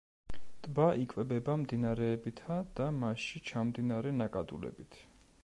ტბა იკვებება მდინარეებითა და მასში ჩამდინარე ნაკადულებით.